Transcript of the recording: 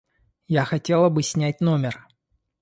Я хотела бы снять номер.